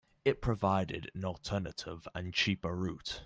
It provided an alternative and cheaper route.